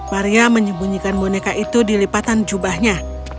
maria menyembunyikan boneka itu di lipatan jubahnya